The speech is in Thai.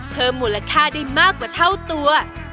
เพิ่มมูลค่าได้มากกว่าเท่าตัว